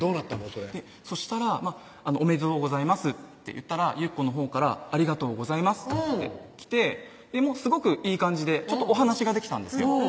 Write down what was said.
それそしたら「おめでとうございます」って言ったらゆっこのほうから「ありがとうございます」って来てすごくいい感じでちょっとお話ができたんですよ